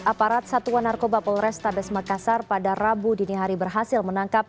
aparat satuan narkoba polrestabes makassar pada rabu dini hari berhasil menangkap